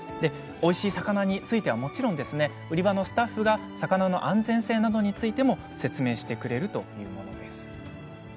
おいしい魚についてはもちろん売り場のスタッフが魚の安全性などについても説明してくれるというものです。